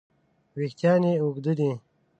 وېښتیان یې اوږده دي.